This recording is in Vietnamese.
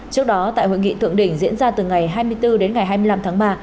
trước đó tại hội nghị thượng đỉnh diễn ra từ ngày hai mươi bốn đến ngày hai mươi năm tháng ba